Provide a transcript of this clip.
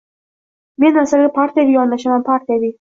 — Men masalaga partiyaviy yondashaman, partiyaviy!